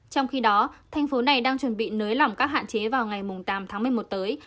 trong khi đó thành phố này đang chuẩn bị nới lỏng các hạn chế vào ngày tám tháng một mươi một tới